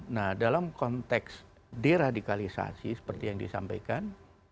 nah dalam konteks deradikalisasi seperti yang disampaikan